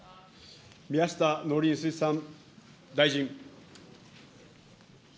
宮下農林水産大臣。